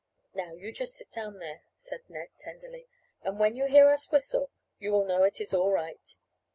"Now, you just sit down there," said Ned, tenderly, "and when you hear us whistle you will know it is all right.